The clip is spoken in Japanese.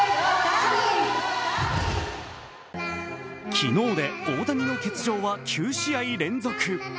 昨日で大谷の欠場は９試合連続。